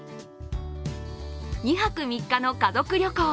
２泊３日の家族旅行。